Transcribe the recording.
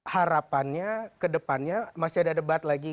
harapannya kedepannya masih ada debat lagi kan